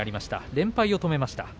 連敗を止めました。